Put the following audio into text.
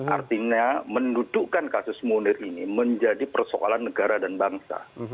artinya mendudukkan kasus munir ini menjadi persoalan negara dan bangsa